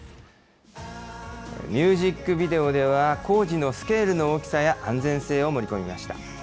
ミュージックビデオでは、工事のスケールの大きさや、安全性を盛り込みました。